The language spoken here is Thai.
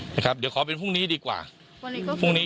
นะครับเดี๋ยวขอเป็นพรุ่งนี้ดีกว่าวันนี้ก็พรุ่งนี้